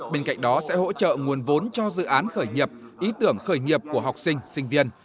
bên cạnh đó sẽ hỗ trợ nguồn vốn cho dự án khởi nghiệp ý tưởng khởi nghiệp của học sinh sinh viên